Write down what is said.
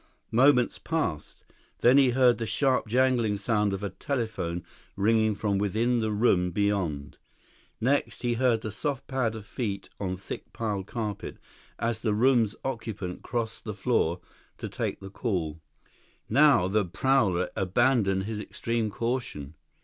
Moments passed. Then he heard the sharp jangling sound of a telephone ringing from within the room beyond. Next he heard the soft pad of feet on thick piled carpet as the room's occupant crossed the floor to take the call. Now the prowler abandoned his extreme caution.